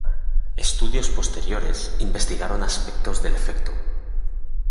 Estudios posteriores investigaron aspectos del efecto.